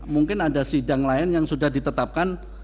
mungkin ada sidang lain yang sudah ditetapkan